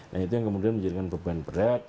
nah itu yang kemudian menjadikan beban berat